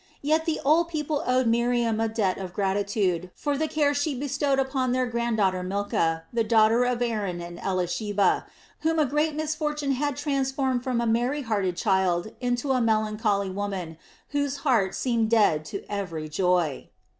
Yet the old people owed Miriam a debt of gratitude for the care she bestowed upon their granddaughter Milcah, the daughter of Aaron and Elisheba, whom a great misfortune had transformed from a merry hearted child into a melancholy woman, whose heart seemed dead to every joy.